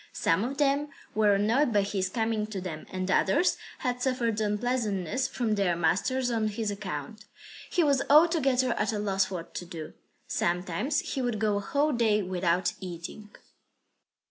Some of them were annoyed by his coming to them; and others had suffered unpleasantness from their masters on his account. He was altogether at a loss what to do. Sometimes he would go a whole day without eating.